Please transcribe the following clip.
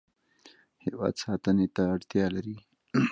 هیواد ساتنې ته اړتیا لري.